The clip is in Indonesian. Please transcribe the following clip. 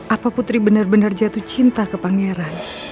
apa putri bener bener jatuh cinta ke pangeran